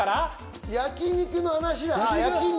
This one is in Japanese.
焼肉の話だ。